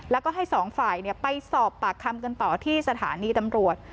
แล้วก็ให้สองฝ่ายไปสอบปากคำกันต่อที่สถานีตำรวจ